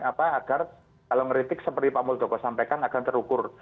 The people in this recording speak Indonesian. apa agar kalau ngeritik seperti pak muldoko sampaikan akan terukur